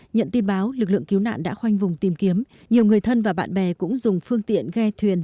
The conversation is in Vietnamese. nhận tin báo lực lượng cứu nạn đã khoanh vùng tìm kiếm nhiều người thân và bạn bè cũng dùng phương tiện ghe thuyền